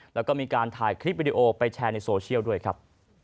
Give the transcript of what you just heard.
แล้วก็มีการถ่ายคลิปวิดีโอไปแชร์ในโซเชียลด้วยครับ